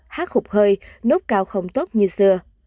hát khục hơi nốt cao không tốt như xưa